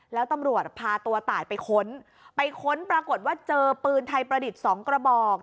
แล้วตำรวจพาตัวตายไปค้นไปค้นปรากฏว่าเจอปืนไทยประดิษฐ์สองกระบอก